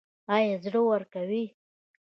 ایا زړه ورکوئ؟